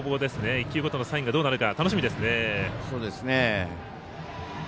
１球ごとのサインがどうなるか楽しみです。